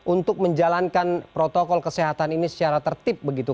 untuk menjalankan protokol kesehatan ini secara tertib begitu